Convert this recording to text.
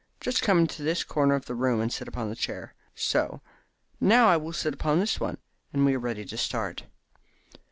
Just come into this corner of the room, and sit upon this chair. So. Now I will sit upon this one, and we are ready to start."